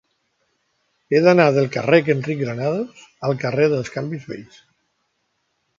He d'anar del carrer d'Enric Granados al carrer dels Canvis Vells.